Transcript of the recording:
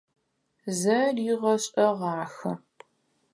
Зэригъэшӏэгъахэ.